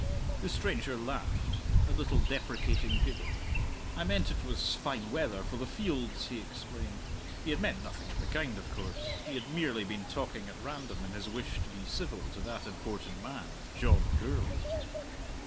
The stranger laughed: a little deprecating giggle. "I meant it was fine weather for the fields," he explained. He had meant nothing of the kind, of course; he had merely been talking at random in his wish to be civil to that important man, John Gourlay.